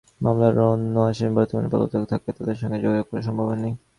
মামলার অন্য আসামিরা বর্তমানে পলাতক থাকায় তাঁদের সঙ্গে যোগাযোগ করা সম্ভব হয়নি।